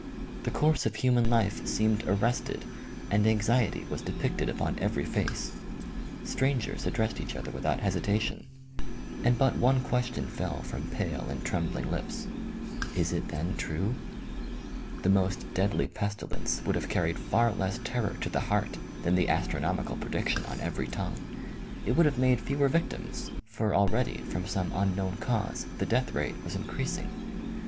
The course of human life seemed ar rested, and anxiety was depicted upon every face. Strangers addressed each other without hesitation ; THK STREETS OF PARIS BY NIGHT. Slid t>llt OUC qUCStlOn fell 10 OMEGA. from pale and trembling lips: "Is it then true?" The most deadly pestilence would have carried far less terror to the heart than the astronomical prediction on every tongue ; it would have made fewer victims, for already, from some unknown cause, the death rate was increasing.